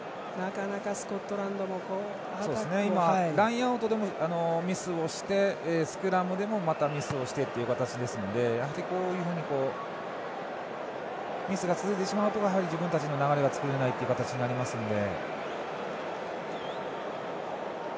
ラインアウトでもミスをしてスクラムでもまたミスをしてという形ですのでやはり、こういうふうにミスが続いてしまうと自分たちの流れが作れないという形になりますので。